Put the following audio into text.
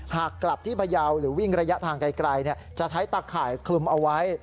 หากกลับที่พยาวหรือวิ่งระยะทางไกลจะใช้ตาข่ายคลุมเอาไว้